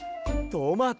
トマト。